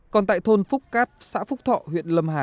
còn tại thôn phúc cát xã phúc thọ huyện lâm hà